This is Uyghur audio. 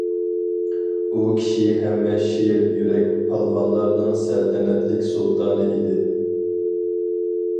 ئۇ كىشى ھەممە شىر يۈرەك پالۋانلارنىڭ سەلتەنەتلىك سۇلتانى ئىدى.